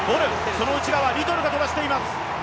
その内側、リトルが飛ばしています。